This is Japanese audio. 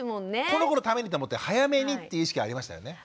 この子のためにと思って早めにっていう意識ありましたよね。